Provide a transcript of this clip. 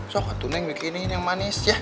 so atuh neng bikinin yang manis ya